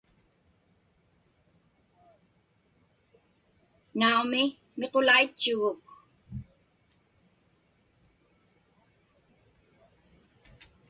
Naumi, miqulaitchuguk.